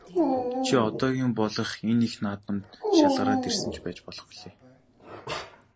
Чи одоогийн болох энэ их наадамд шалгараад ирсэн ч байж болох билээ.